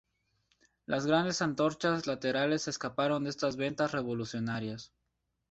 Las grandes antorchas laterales escaparon de estas ventas revolucionarias.